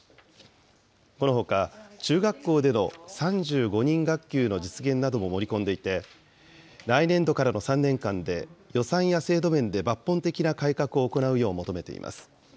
このほか、中学校での３５人学級の実現なども盛り込んでいて、来年度からの３年間で、予算や制度面で抜本的な改革を行うよう求めています。